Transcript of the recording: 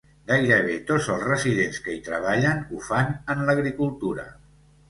Gairebé tots els residents que hi treballen ho fan en l'agricultura.